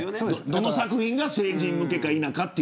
どの作品が成人向けか否か。